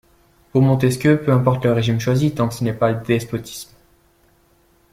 Pour Montesquieu, peu importe le régime choisi, tant que ce n'est pas le despotisme.